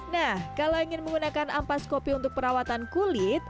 nah kalau ingin menggunakan ampas kopi untuk perawatan kulit